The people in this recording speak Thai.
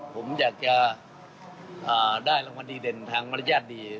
ผมอยากจะได้รางวัลดีเด่นทางมารยาทดี